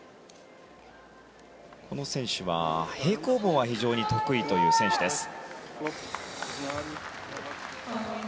この選手は平行棒が非常に得意という選手です。